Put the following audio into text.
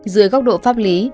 dưới góc độ pháp lý